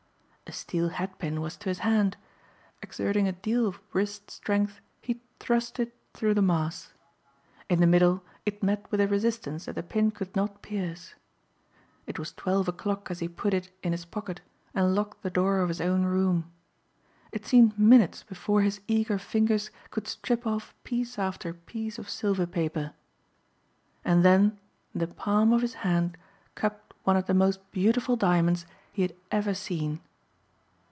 A steel hat pin was to his hand. Exerting a deal of wrist strength he thrust it through the mass. In the middle it met with a resistance that the pin could not pierce. It was twelve o'clock as he put it in his pocket and locked the door of his own room. It seemed minutes before his eager fingers could strip off piece after piece of silver paper. And then the palm of his hand cupped one of the most beautiful diamonds he had ever seen.